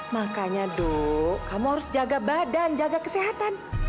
makanya dok kamu harus jaga badan jaga kesehatan